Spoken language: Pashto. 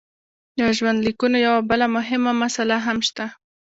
د ژوندلیکونو یوه بله مهمه مساله هم شته.